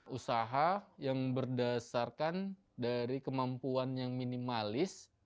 usaha yang berdasarkan dari kemampuan yang minimalis